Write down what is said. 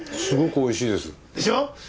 すごくおいしいです。でしょ？